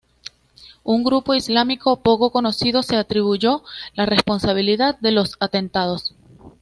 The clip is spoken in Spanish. Un grupo islámico poco conocido se atribuyó la responsabilidad de los atentados.